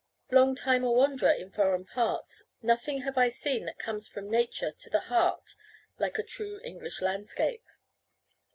Long time a wanderer in foreign parts, nothing have I seen that comes from nature to the heart like a true English landscape.